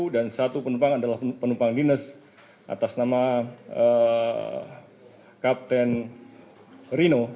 dan satu penumpang adalah penumpang dinas atas nama kapten rino